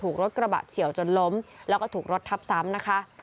ถูกรถกระบะเฉียวจนล้มแล้วก็ถูกรถทับซ้ำนะคะ